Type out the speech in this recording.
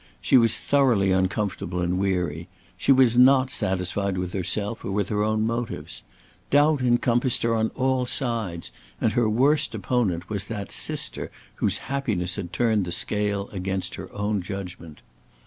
She was thoroughly uncomfortable and weary. She was not satisfied with herself or with her own motives. Doubt encompassed her on all sides, and her worst opponent was that sister whose happiness had turned the scale against her own judgment.